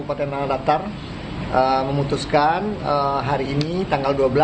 kabupaten tanah datar memutuskan hari ini tanggal dua belas